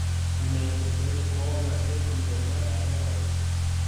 Un any després torna a ser condemnat a deu anys.